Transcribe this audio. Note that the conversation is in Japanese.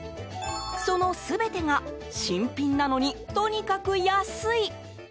その全てが新品なのに、とにかく安い。